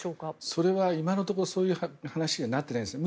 それは今のところそういう話にはなってないんですね。